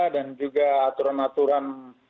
dan juga aturan aturan